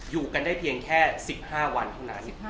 อยู่กันได้เพียงแค่๑๕วัน